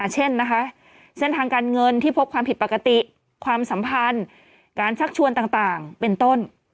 เช่นนะคะเส้นทางการเงินที่พบความผิดปกติความสัมพันธ์การชักชวนต่างเป็นต้น